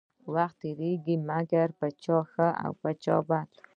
وخت تيريږي مګر په چا ښه او په چا بد.